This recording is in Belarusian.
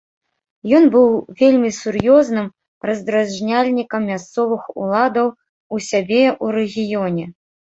Ён быў вельмі сур'ёзным раздражняльнікам мясцовых уладаў у сябе ў рэгіёне.